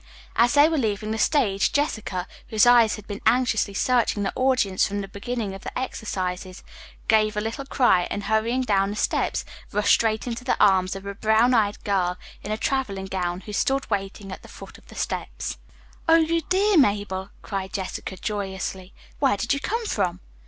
As they were leaving the stage, Jessica, whose eyes had been anxiously searching the audience from the beginning of the exercises, gave a little cry and hurrying down the steps, rushed straight into the arms of a brown eyed girl in a traveling gown who stood waiting at the foot of the steps. "Oh, you dear Mabel," cried Jessica joyously. "Where did you come from!"